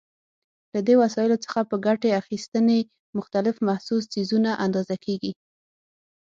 له دې وسایلو څخه په ګټې اخیستنې مختلف محسوس څیزونه اندازه کېږي.